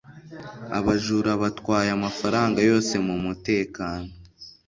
abajura batwaye amafaranga yose mumutekano